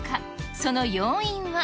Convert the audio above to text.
その要因は。